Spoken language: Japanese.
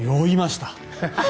酔いました。